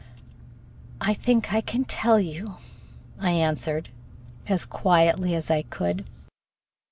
"I think I can tell you," I answered, as quietly as I could.